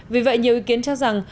vì vậy nhiều ý kiến cho rằng